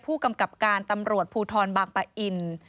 ผู้กำกับการภูทรบังปะอิน